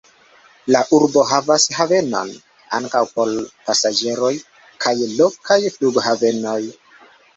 La urbo havas havenon (ankaŭ por pasaĝeroj) kaj lokan flughavenon.